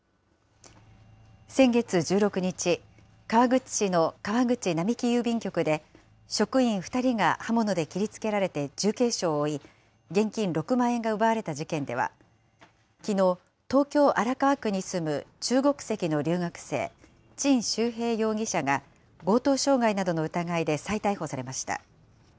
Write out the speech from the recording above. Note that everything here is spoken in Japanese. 先月１６日、川口市の川口並木郵便局で、職員２人が刃物で切りつけられて重軽傷を負い、現金６万円が奪われた事件では、きのう、東京・荒川区に住む中国籍の留学生、陳秀平容疑者が、強盗傷害などの疑いで再逮捕されました。